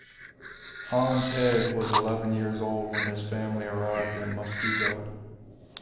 Hans Heg was eleven years old when his family arrived in Muskego.